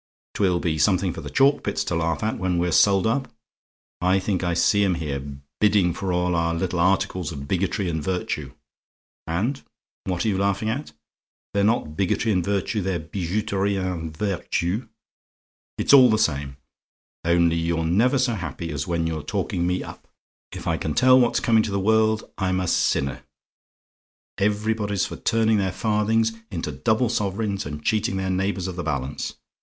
'Twill be something for the Chalkpits to laugh at when we're sold up. I think I see 'em here, bidding for all our little articles of bigotry and virtue, and what are you laughing at? "THEY'RE NOT BIGOTRY AND VIRTUE; BUT BIJOUTERIE AND VERTU? "It's all the same: only you're never so happy as when you're taking me up. "If I can tell what's coming to the world, I'm a sinner! Everybody's for turning their farthings into double sovereigns and cheating their neighbours of the balance.